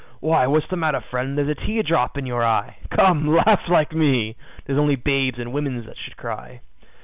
Why, what's the matter, friend? There's a tear drop in you eye, Come, laugh like me. 'Tis only babes and women that should cry.